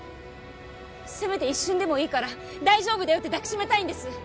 せめて一瞬でもいいから「大丈夫だよ」って抱きしめたいんです